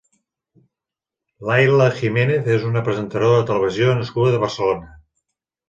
Laila Jiménez és una presentadora de televisió nascuda a Barcelona.